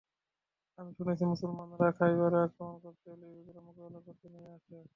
আমি শুনেছি, মুসলমানরা খায়বারে আক্রমণ করতে এলে ইহুদীরা মোকাবিলা করতে নেমে আসে।